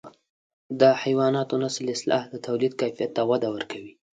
د حیواناتو نسل اصلاح د توليد کیفیت ته وده ورکوي.